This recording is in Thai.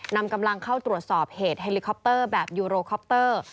นำกำลังเข้าตรวจสอบเหตุเฮลิคอปเตอร์แบบยูโรคอปเตอร์